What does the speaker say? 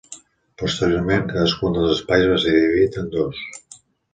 Posteriorment cadascun dels espais va ser dividit en dos.